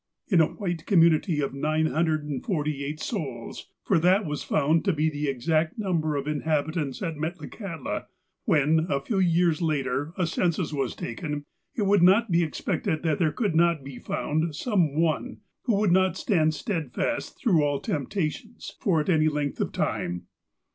In a white community of 948 souls, for that was found to be the exact number of inhabitants at Metlakahtla, when, a few years later, a census was taken, it would not be expected that there could not be found some one who would not stand steadfast through all temptations, for any length of time.